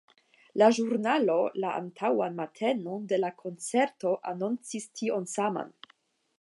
La ĵurnaloj la antaŭan matenon de la koncerto anoncis tion saman.